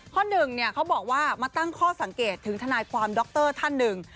หนึ่งเขาบอกว่ามาตั้งข้อสังเกตถึงทนายความดรท่านหนึ่ง